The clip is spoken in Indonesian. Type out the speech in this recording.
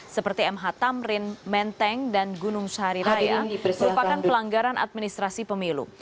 seperti mh tamrin menteng dan gunung sahari raya merupakan pelanggaran administrasi pemilu